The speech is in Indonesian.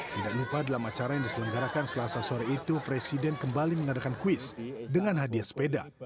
tidak lupa dalam acara yang diselenggarakan selasa sore itu presiden kembali mengadakan kuis dengan hadiah sepeda